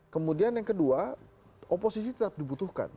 kemudian yang kedua oposisi tetap dibutuhkan